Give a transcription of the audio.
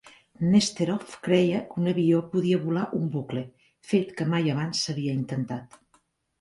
Nesterov creia que un avió podia volar un bucle, fet que mai abans s'havia intentat.